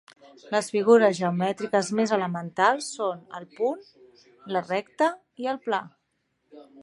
Les figures geomètriques més elementals són el punt, la recta i el pla.